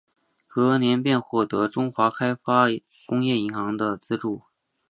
隔年便获得中华开发工业银行的注资。